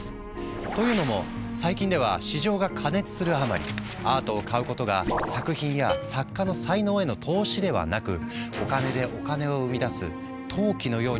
というのも最近では市場が過熱するあまりアートを買うことが作品や作家の才能への「投資」ではなくお金でお金を生み出す「投機」のようにもなっているんだ。